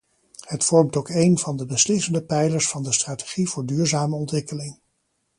Het vormt ook één van de beslissende pijlers van de strategie voor duurzame ontwikkeling.